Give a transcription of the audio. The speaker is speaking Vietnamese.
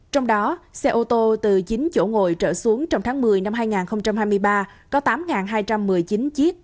trong đó xe ô tô từ chín chỗ ngồi trở xuống trong tháng một mươi năm hai nghìn hai mươi ba có tám hai trăm một mươi chín chiếc